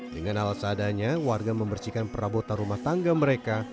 dengan alas adanya warga membersihkan perabotan rumah tangga mereka